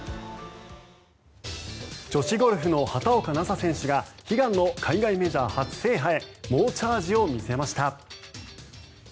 女子ゴルフの畑岡奈紗選手が悲願の海外メジャー初制覇へ猛チャージを見せました。